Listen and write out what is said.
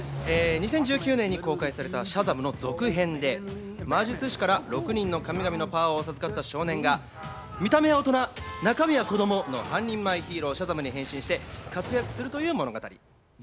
こちらは２０１９年に公開された『シャザム！』の続編で、魔術師から６人の神々のパワーを授かった少年が見た目はオトナ、中身はコドモの半人前ヒーロー、シャザムに変身して活躍するという物語。